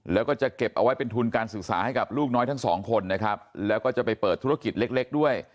แล้วก็จะเก็บเอาไว้เป็นทุนการศึกษาให้กับลูกน้อยทั้งสองคนนะครับแล้วก็จะไปเปิดธุรกิจเล็กด้วย